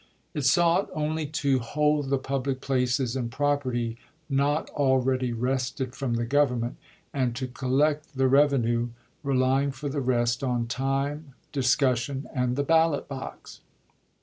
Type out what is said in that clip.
It sought only to hold the public places and property not already wrested from the Government, and to collect the revenue, relying for the rest on time, discussion, and the ballot box.